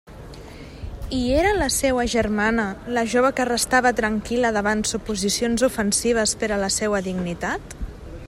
I era la seua germana la jove que restava tranquil·la davant suposicions ofensives per a la seua dignitat?